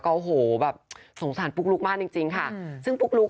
โอ้โหแบบสงสารปุ๊กลุ๊กมากจริงจริงค่ะซึ่งปุ๊กลุ๊ก